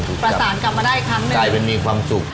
ประสานกลับมาได้อีกครั้งหนึ่งกลายเป็นมีความสุข